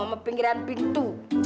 sama pinggiran pintu